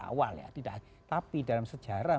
awal ya tidak tapi dalam sejarah